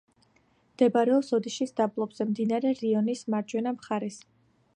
მდებარეობს ოდიშის დაბლობზე, მდინარე რიონის მარჯვენა მხარეს.